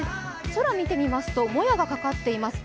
空見てみますともやが、かかっています。